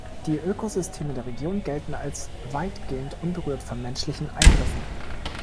Die Ökosysteme der Region gelten als weitgehend unberührt von menschlichen Eingriffen.